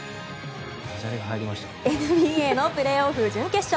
ＮＢＡのプレーオフ準決勝。